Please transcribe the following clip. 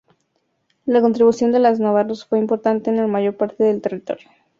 La contribución de los navarros fue importante en la mayor parte del territorio.